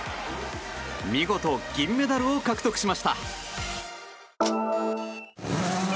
見事、銀メダルを獲得しました。